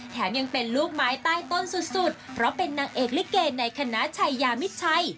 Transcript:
แถมยังเป็นลูกไม้ใต้ต้นสุดเพราะเป็นนางเอกลิเกในคณะชัยยามิดชัย